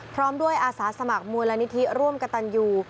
พร้อมด้วยอาสาสมัครมูลนิธิร่วมกระตันยู